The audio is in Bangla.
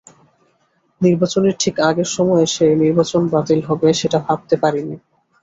নির্বাচনের ঠিক আগের সময়ে এসে নির্বাচন বাতিল হবে, সেটি ভাবতে পারিনি।